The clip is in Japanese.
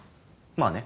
まあね